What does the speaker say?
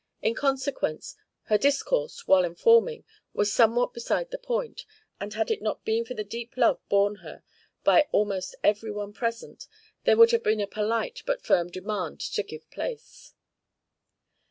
In consequence, her discourse, while informing, was somewhat beside the point; and had it not been for the deep love borne her by almost every one present, there would have been a polite but firm demand to give place.